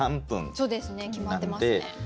そうですね決まってますね。